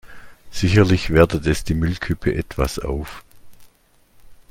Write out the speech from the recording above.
Sicherlich wertet es die Müllkippe etwas auf.